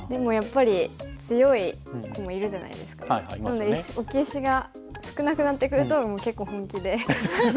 なので置き石が少なくなってくると結構本気でいったりも。